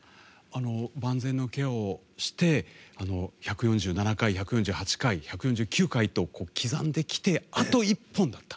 万全のケアをして１４７回、１４８回、１４９回と刻んできて、あと１本だった。